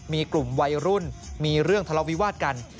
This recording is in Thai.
มีกลุ่มวัยรุ่นมีเรื่องทะเลาวิวาสกัน